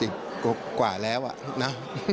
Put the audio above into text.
๖๐โนคกว่าแล้วละ